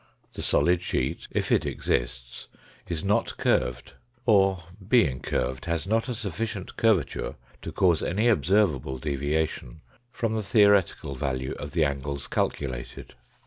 The solid sheet, if it exists, is not curved or, being curved, has not a sufficient curvature to cause any observable deviation from the theoretical value of the angles calculated.